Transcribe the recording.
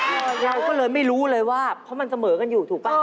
เราก็เลยไม่รู้เลยว่าเพราะมันเสมอกันอยู่ถูกป่ะ